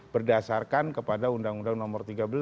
berdasarkan kepada undang undang nomor tiga belas